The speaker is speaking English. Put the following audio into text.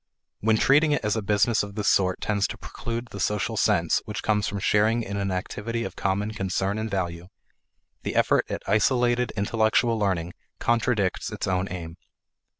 When treating it as a business of this sort tends to preclude the social sense which comes from sharing in an activity of common concern and value, the effort at isolated intellectual learning contradicts its own aim.